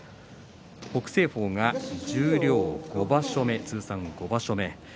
北青鵬が十両５場所目通算５場所目。